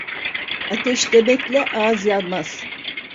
Ateş demekle ağız yanmaz.